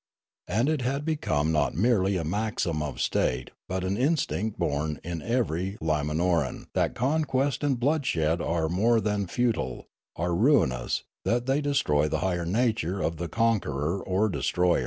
And it had become not merely a maxim of state but an instinct born in ever}' Limanoran that conquest and blood shed are more than futile, are ruinous, that they de stroy the higher nature of the conciueror or destroyer.